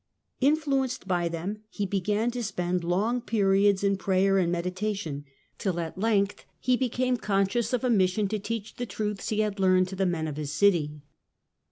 Influenced by them, he began to spend long periods in prayer and meditation, till at length he became con scious of a mission to teach the truths he had learned to the men of his city.